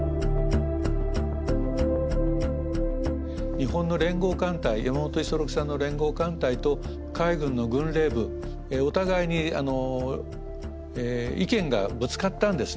日本の連合艦隊山本五十六さんの連合艦隊と海軍の軍令部お互いに意見がぶつかったんですね。